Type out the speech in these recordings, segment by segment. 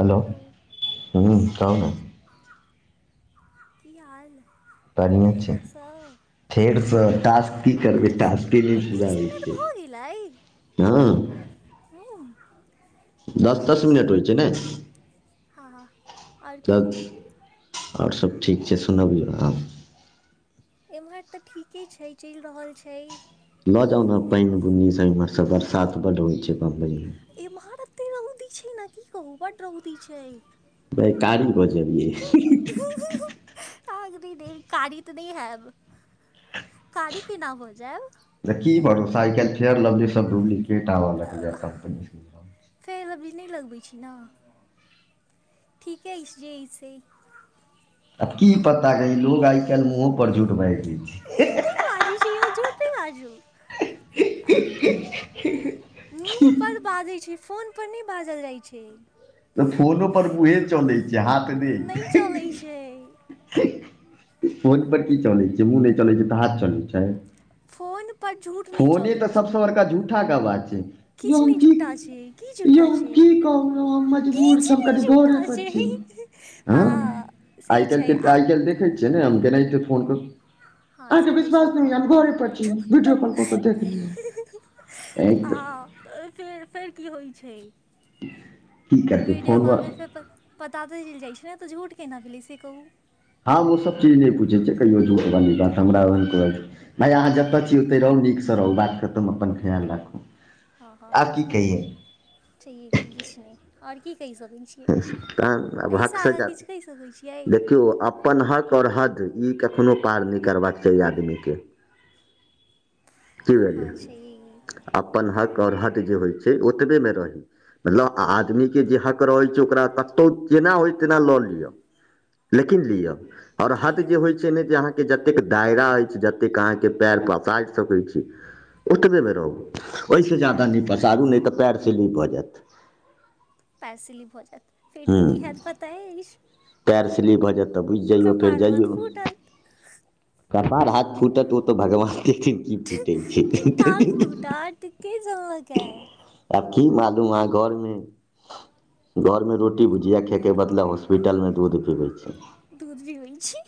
Hello हूँ कहू ने। कि हाल बढ़िआँ छै फेरो सऽ। फेरसँ टास्क की करबै तऽ टास्के नहि पुरा बीस होइ मिनट छै भऽ हँ। हू दस दस मिनट होइ छै नहि हँ आओर कहू तऽ। आओर सब ठीक छै सुनबियौ आब एम्हर तऽ ठीके छै चलि रहल छै। लऽ जाउ नऽ पानि बुन्नीसँ इमहर सब बरसात बड होइ छै बम्बैमे। एमहर एत्ते रउदी छै नऽ की कहू बड्ड रौदी छै। बै कारी भऽ जायब ये। आहांतऽ नै नै कारी तऽ नहि हैऽब कारी केना हो जायब। तऽ की भरोसा आइ काल्हि फेयरलभली सब डुप्लीकेट आबऽ लगलै कम्पनी मे। फेयरलबली सब नहि लगबे छी ने ठीके अछि जे आब की पता रह‌ऽ लोक आइ काल्हि मुँहो पर झुट बाजि लय छै। ई नहि बाजय छै यौ झुठ नहि बाजू। [unintelligible] मुूँह पर बाजैत छै फोन पर नहि बाजल जाइत छै तऽ फोनो पर मूहे चलै छै हाथ नहि चलै छै नहि फोन पर की चलैत छै मुँह नहि चलैत छै तऽ हाथ चलैत छै फोन पर झूठ नहि फोने चलै तऽ छै सबसँ बड़का झूठाके आवाज छै यौ किछु हम नहि की जुटा छै की झूठा यौ हम छै की कहब हम मजबूर छी किछु हम कनि नहि झूठा घरेपर छी छै आँ हँ से आइ छै कलके आ आइ कल देखै छी ने हम के नहि तऽ फोन तऽ हँ अहाँके से तऽ विश्वास छै र् नहि होय हम घरे परी वीडियो कॉल कऽ कऽ देखलियौ एक तऽ फेर फेर की होइ छै की करतै वीडियो फोन पर कॉल से तऽ पता तऽ चलि जाइत छै ने तऽ झूठ केना भेलै से कहू हँ ओ सब चीज नहि पूछे छै कहियो हमरा भाय अहाँ हँ जतऽ छी तै रहू नीकसँ रहू बात खतम अपन ख्याल राखू हँ हँ आब की कहियै छेहे की किछु नहि आओर की कहि सकै छी अब हक से जा सकै छियै देखियौ अपन हक आओर हद ई कखनो पार नहि करबाक चाही आदमीके की बुझलियै हँ छैहे अपन हक आओर हद जे होइ छै ओतबेमे रहै छै मतलब आदमीके जे हक रहैत छै ओकरा कतहु जेना होय तेना लऽ लिअ लेकिन लिअ और कि हद लिअ जे होय छै ने जे आहा के जते दायरा अछिय जते अहा के पैर पसा सकै छी ओतबे बे रहू ओहिसँ ज्यदाा नहि पसारू नहि तऽ पयरसँ ली भऽ जायत पैर सिलिप भऽ जायत फेर तऽ की हत पता एछ पएर सलीप भऽ जायत तऽ बुझि जइयौ फेर महत जइयौ फूटत कपार हाथ फूटत ओ तऽ भगवान [unintelligible] की फूटे छै कि टांग टूटत के जमक है आब की मालूम अहाँ घरमे घरमे रोटी भुजिया खयके बदला हॉस्पिटलमे दूध पीबै छै दूध पीबे छै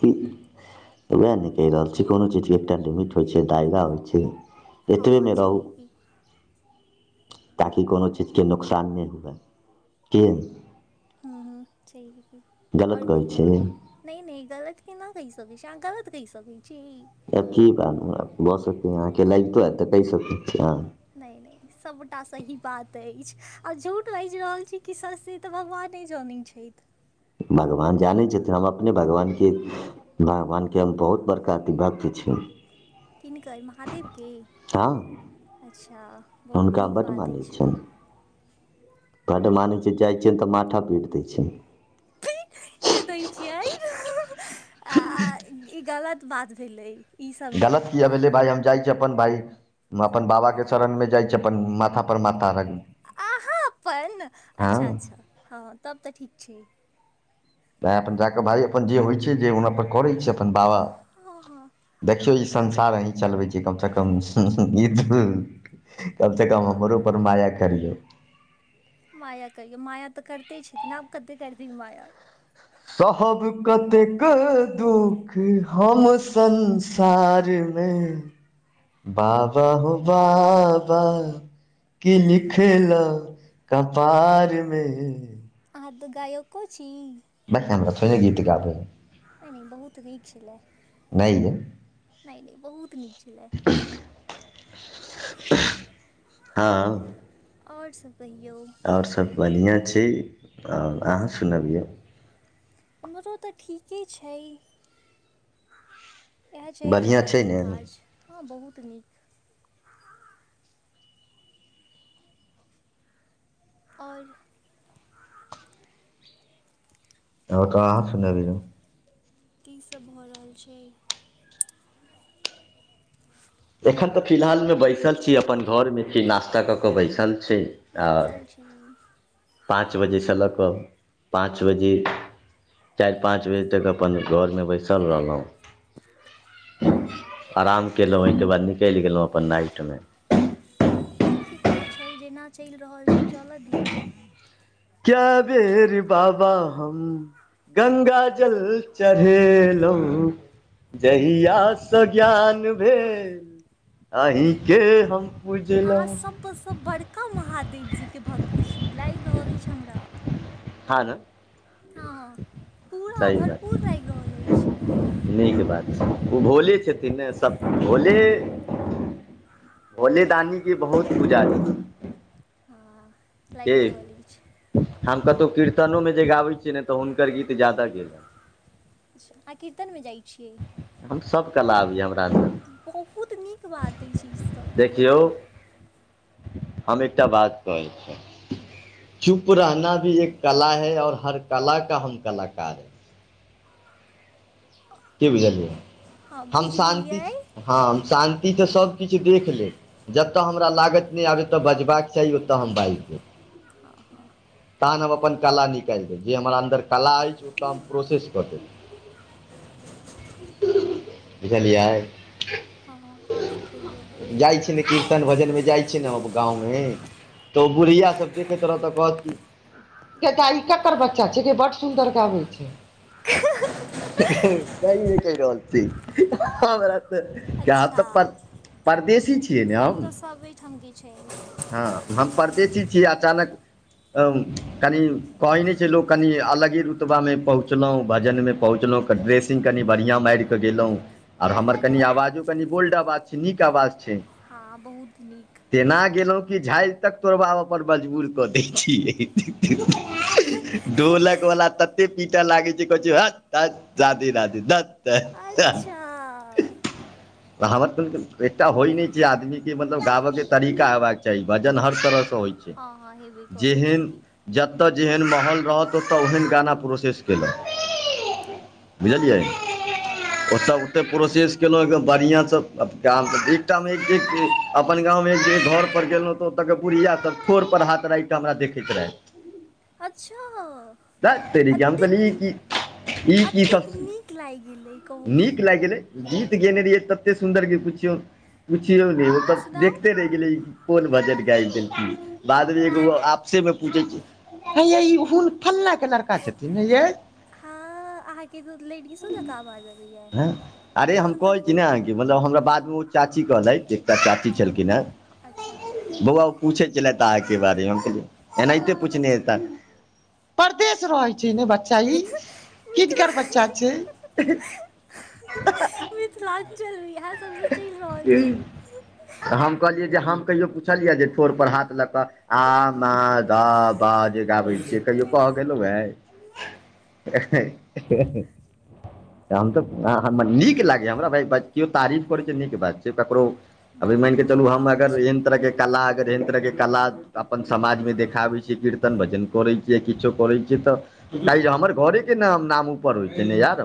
कि वएह नहि कहि रहल छी कोनो चीजके एकटा लडिमिट होइ छै दायरा होइ छै हँ एतबेमे रहू छैहे की ताकि कोनो चीजके नुोकसान नहि हुए कि हू हू छहिये कि आओर गलत कहै कहियो छियै आगा नहि नहि गलत केना केय सके छी अहाँ गलत कहि सकैत छी आब की बात भऽ सकतै अहाँकेँ लगितो हेतऽ कहि सकै छी अहाँ नहि नहि सभटा सही बात अछि आ झूट बाजि रहल छी कि सत्य से तऽ भगवाने जनैत छथि भगवान जानै छथिन हम अपने भगवानके भगवानके हम बहुत बड़का अ भक्त छी किनकर महादेवके हँ अच्छा बहुत हुनका हम नीक बड्ड बात मानै अछि छियनि बड्ड मानै छै जाइ छियनि तऽ माठा पीट दै छनि पिट दै छियै आ ई गलत बात भेलै ईसभ नहि गलत किया भेलले भाइ हम जाइ छै अपन भाय अपन बाबा के शरण मे जाइ छै अपन माथा पर माथा अहाँ अपन हँ अच्छा अच्छा हँ तब तऽ ठीक छै तए अपन जा कऽ भाय अपन जे होइ छै जे हनापर करै छै अपन बाबा हँ हँ देखियौ ई संसार अही चलबै छै कमसँ कम गीत कमसँ कम हमरो पर माया करियौ माया करहिियौ माया तऽ करिते छथिन आब कतेक करथिन माया सब कतेक दुःखी हम सनस सारमे बाबा हो बाबा कि लिखलहु कपारमे आहाँ तऽ गायक छी भक हमरा थोइ ने गित गाबै ह नहि नहि बहुत भीक छलै नहि अइ नहि नहि बहुत नीक छलै [unintelligible] हँ आओर सब कहियौ आओर सब बढ़िआँ छै आओ अहाँ सुनबियौ एम्हरो तऽ ठीके छै इएह चलि बढ़िआँ रहल छै ने काज आओर हँ बहुत नीक आओर [unintelligible] की सभ भऽ रहल छै एखन तऽ फिलहालमे बैसल छी अपन घरमे छी नाश्ता कऽ केऽ बैसल छी आओर बैसल छी पाँच बजेसँ लऽ कऽ पाँच बजे चारि पाँच बजे तक अपन घर मे बैसल रहलहुँ आराम केलहुँ ओहिके बाद निकलि गेलहुँ अपन नाइटमे ठीके छै जेना चलि रहल छी चलऽ दियौ क्य बेेरीे बाबा हम गंगा जल चढ़ेलहुँ जहिया से ज्ञान भेल अहींके हम अहाँ पुजलहुँ सबसँ बड़का महादेव जी के भक्त छी लागि रहल अछि हमरा हँ ने हँ हँ पूरा सही भरपूर बात लागि रहल अछि नीक बात छै ओ भोले छथिन ने सब भोले हँ भोलेदानी के बहुत पुजारी छै हँ लागि रहल अछि हम कतहु कीर्तनो मे जे गाबैत छियै ने तऽ हुनकर गीत ज्याददा गेलनि अहाँ कीर्तन मे जाइत छियै हम सब कला आबियै हमरँ अंदर बहुत नीक बात एहि चीज सँ कहू देखियौ हम एकटा बात कहै छ चुप रहना भी एक कला है और हर कला का हम कलााकार हैं क बुझलियै हँ हम बुझि शा्ति गेलियै हँ हम शा्तिसँ सभ किछु देख लेब जतय हमरा लागत नहि आब ओतय बजबाक चाही ओतय हम बाजि देब ह हँ तहन हम अपन कला निकालि देब जे हमर अन्दर कला अछि ओतऽ हम प्रोसेस कऽ देब बुझलियै हँ आओर सब कहियौ जाइ छै ने कीर्तन भजन मे जाइ छी गाँवमे तऽ ओ बुढ़ैय सब देखैत रहत कहत की ई ककर बच्चा छै बड्ड सुंदर गाबै छै सही मे कहि रहल छी हमरा ब तऽ अच्छा पर परदसी छियै ने हम हम्बी छै हँ हम परदसी छीय अचानक कनि कहै नहि छै लोक कनि अलगे रुतबामे पहुँचलहुँ भजनमे पहुँचलहुँ त ड्रेसिंगग कनि बढ़िआँ मारि कऽ गेलहुँ आर हमर कनि आवाजो कनि बोल्ड आवाज छै नीक आवाज छै हँ बहुत नीक तेना गेलहुँं कि झझि तक तोड़बाब अपन मजबूर कऽ दै छियै ढोलक वला तते पीटय लागे छै कहै छै ह रधे राधे द अच्छा कहाव एक होइ नहि छै आदमीके मन मतलब गाबे के तरीका होयबाक चाही भजन हर तरहसँ होइ छै हँ हँ हेबे करे छी जेहन कि जतय जेहन महौल रहत ओतय ओहन गाना प्रोसेस केलो बुझलियै हँ हँ ओसब प्रोसेस केल बढ़िया से अपन गाँव मे घर पर गेलहुँ तऽ ओत बुढया सब ठोर पर हाथ राखिफ हमरा देखैत रहय अच्छा तेरीके हम कहलियै ई अतेकनीक की ई एतेक नीक लागि गेल कहू ला ईग गलै गीत गेने रहियै तते सुन्दर पुछियो नहीं सुनाउ देखते रहतिय गेलै कोन भजन ग बादमे एगो अच्छा आप सेमे पूछै छी ये ई फललां के लड़का छथिन ने यै हँ अहाँके लेडीजो जेका आबाज आबै ये न हँ अरे हम तखन त कहै छी निके ने अहाँके मतलब हमरा बादमे ओ चाची कहलथिजे एकटा चाची हँ हँ छलखिन ये अच्छा बौआ पूछै छलैथ आहा के बारे में एनाहिते पूछने हेता परदस हँ रहै छै ने बच्चा ई मिथ मिथिला किनकर बच्चा छैन [inaudible] चिल्लाती किये हेत हम कहलियै जे हम कहिो पुछलियै जे ठर पर हाथ लऽ कऽ आ म द बा जे गाबै छियै सेकहियो कह मिथ- गेलहुँ ये हम तऽ नीक लागै हमरा भय बाजीयौ तारीफ करै छि नीक बात छैय ककरो अभी मन बहुत चलू नीक हम बात अगर छै एहन तरह के कला आगर सयंत्रके कला अपन समाजमे देखाबैत छियै कीर्तन भजन करैत छियै किछो करैत छियै तऽ नई हमर घरे के नाम नाम उऊपर होइ छै ने यार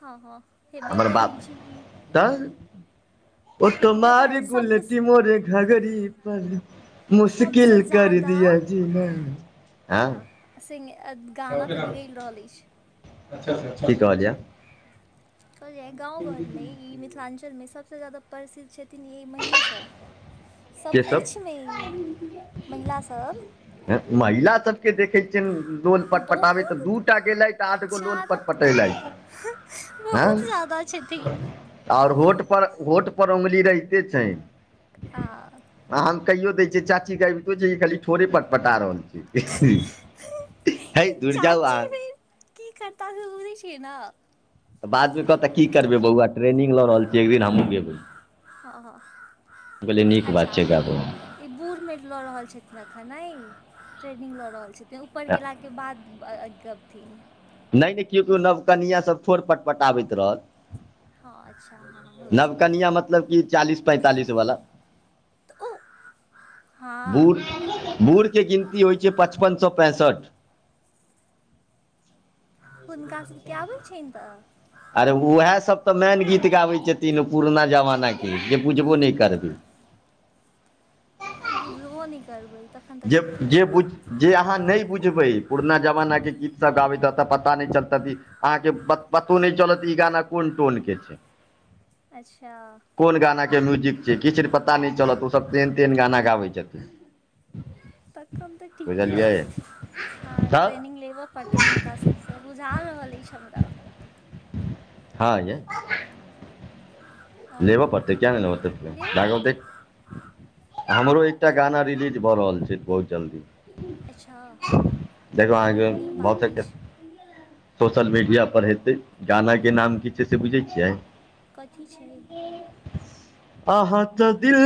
हँ हँ ऐबै करै छि कि त ओ तऽ पता अइ सब मारिलेतेलले मोरे घघरी पर सबसँ मुशकिल करि ज्यादा दििया जिने में सि गाना तऽ निकलि रहल अछि की कहलिय कहल ईय गामव घरमे ई मिथिलाञ्चलमे सभसँ ज्यादा प्रसिद्ध छथिन ई महिलेसभ के सब सभकिछुमे ई महिलासबं महिला तऽ के देखे छियनि लोल पट पटाबेबैथ ऽ बहुत दू टा गेलथि आठ गो लोल ज्यादा पट पटेलथि हँ बहुत ज्यादा छथिन आओर होठ पर होठ पर उंगली रहियै छै आह आ हम कहियो दै छियै चाचीके कुछ नहीं खाली ठोरै पट पटा रहल छै है जाउआहा चाची फेर की करता से बुझै छिय ना तऽ बादमे कहते की करबै बौआ ट्रेनिंगग लऽ रहल छियै एक दिन हमहुँ गेबैय ह ह कहलियै नीक बात छै गाबैमे ई बूढ़ मे ल रहल छथिन अखन ट्रेनिंग लऽ रहल छथिन ऊपर हँ, गेला के बाद बर अबथिन नहि नहि केओ केओ नवकनिआ सब ठोर पटपटाबैत रहत हँ अच्छा हँ होइ छै नवकनिया मतलब कि चालीस पैंतालिस वाला तऽ ओ हँ बूढ़के गिनती होइ छै पचपन सए पैंसठि हुनका सबके यबै छनि तऽ आरे उएहसभ तऽ मेन गीत गाबैत छथिन पुरना जमानाके जे बुझबो नहि करबै बुझबो नहि करबै तखन तऽ जे ठीके जे छै बुझ जे अहाँ नहि बुझबै पुरना जमानाके गीतसभ गाबैत एतऽ पता नहि चलतै कि अहाँके पतो नहि चलत ई गाना कोन टोनके छै अच्छा कोन गानाके म्यूजिक छै किछु पता नहि चलत ओसभ तेहन तेहन गाना गाबै छथिन तखन तऽ हम तऽ ठीके बुझलियै छै तऽ अ ्रेनिंग लेब पड़ त हुनका सभसँ बुझा रहल अछि हमरा हँ यऽ हँ लेबे हँ पड़तै क्य नहि लेब परते लेबऽ जा के पड़तै देख हमरो एकटा गाना रिलीज भऽ रहल छै बहुत जल्दी अच्छा देखो आहके बहुत नीक भऽ बात सके अछि सोशल मीडिया पर हेतै गाना के नाम हँ की छै से बुझै छियै कथी छै अहाँ तऽ दिल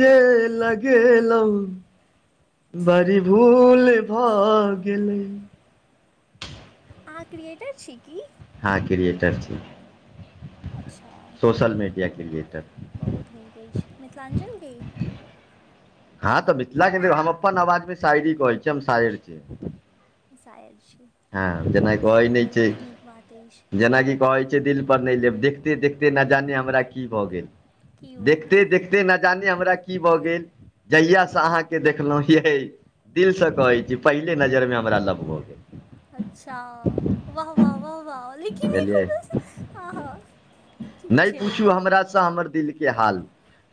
जे लगेलहुँ बड़ी भूल भए गेले अहाँ क्रिएटर छी की हँ क्रिएटर छी अच्छा सोशल मीडिया के लिए तऽ बहुत नीक अछि मिथिलाञ्चलके हँ तऽ मिथिलाके हम अपन आवाजमे शायरी कहै छी हम शायर छी शायर छै हँ जेना कहै नहि छै बात अछि जेनाकि कहै छै दिल पर नहि लेब देखते देखते नऽ जाने हमरा की भऽ गेल की भऽ देखते गेल देखते नऽ जाने हमरा की भऽ गेल जहिया से अहाँके देखलहु हे दिल से कहै छी पहिले नजर मे हमरा लभभऽ गेल अच्छा वाह वाह वाह वाह लेकिन बुझलियै कोनो हँ हँ ठीक नहि पूछू छलैया हमरासँ हमर दिल के हाल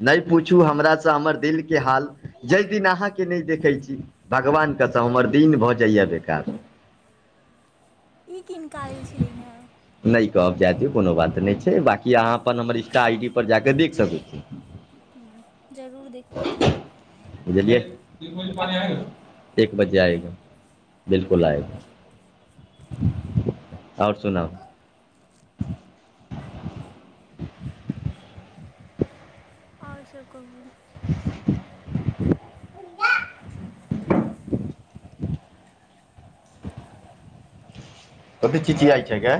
नहि पूछू हमरासँ हमर दिल के हाल जाहि दिन अहाँके नहि देखैत छी भगवानके तऽ हमर दिन भऽ जाइए बेकार ई किनका लेल छलिन हेँ नहि कहब जायत कोनो बात नहि छै बाकी अहाँ अपन हमर इंस्टा आई डी पर जा कऽ देख सकैत छी जरूर देखबै की बुझिलिये हँ एक बजे आएगा बिल्कुल आएगा आओर सुनाब [unintelligible] आओर सब कहू [unintelligible] कती चिटियाइ छै गे